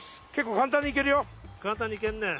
簡単にいけんね。